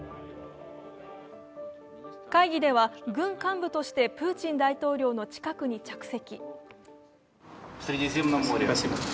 会議では、軍幹部としてプーチン大統領の近くに着席。